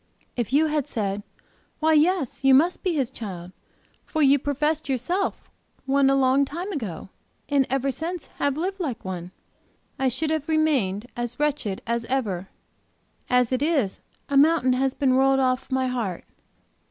If you had said, 'Why, yes, you must be His child, for you professed yourself one a long time ago, and ever since have lived like one,' I should have remained as wretched as ever. As it is, a mountain has been rolled off, my heart.